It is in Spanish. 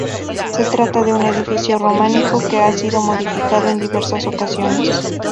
Se trata de un edificio románico que ha sido modificado en diversas ocasiones.